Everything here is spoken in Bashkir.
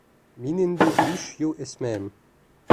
Мин инде биш йыл эсмәйем.